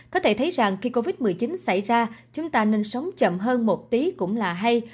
có thể thấy rằng khi covid một mươi chín xảy ra chúng ta nên sống chậm hơn một tí cũng là hay